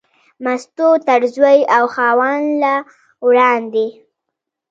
مستو تر زوی او خاوند لا وړاندې.